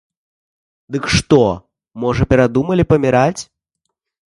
Дык што, можа, перадумалі паміраць?